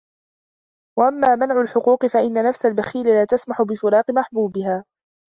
وَأَمَّا مَنْعُ الْحُقُوقِ فَإِنَّ نَفْسَ الْبَخِيلِ لَا تَسْمَحُ بِفِرَاقِ مَحْبُوبِهَا